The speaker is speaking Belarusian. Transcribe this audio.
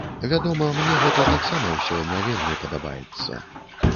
Вядома, мне гэта таксама ўсё не вельмі падабаецца.